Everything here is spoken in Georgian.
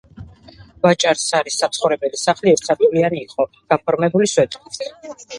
ვაჭარ სარის საცხოვრებელი სახლი ერთსართულიანი იყო, გაფორმებული სვეტებით.